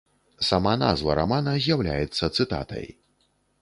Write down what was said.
Сама назва рамана з'яўляецца цытатай.